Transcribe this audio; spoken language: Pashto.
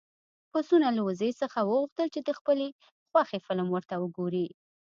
پسونه له وزې څخه وغوښتل چې د خپلې خوښې فلم ورته وګوري.